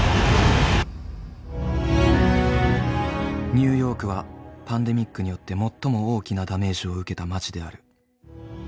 ニューヨークはパンデミックによって最も大きなダメージを受けた街である。